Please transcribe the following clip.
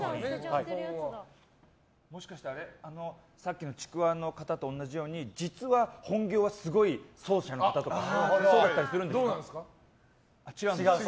もしかしてさっきのちくわの方と同じように実は、本業はすごい奏者の方だったりしますか。